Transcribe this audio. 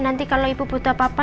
nanti kalau ibu butuh apa apa